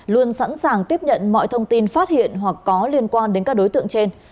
luôn sẵn sàng tiếp nhận mọi thông tin phát hiện hoặc có liên quan đến các đối tượng trên